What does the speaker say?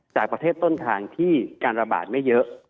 จากประเทศต้นทางที่การระบาดไม่เยอะ